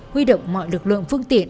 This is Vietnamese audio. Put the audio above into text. huy động mọi lực lượng phương tiện